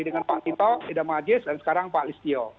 dengan pak tito ida majes dan sekarang pak listio